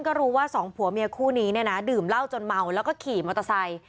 ก็รู้ว่าสองผัวเมียคู่นี้เนี่ยนะดื่มเหล้าจนเมาแล้วก็ขี่มอเตอร์ไซค์